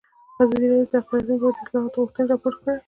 ازادي راډیو د اقلیتونه په اړه د اصلاحاتو غوښتنې راپور کړې.